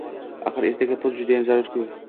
Axir ertaga pul judayam zarurku.